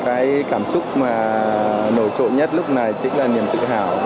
cái cảm xúc mà nổi trội nhất lúc này chính là niềm tự hào